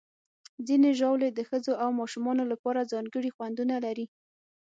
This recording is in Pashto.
ځینې ژاولې د ښځو او ماشومانو لپاره ځانګړي خوندونه لري.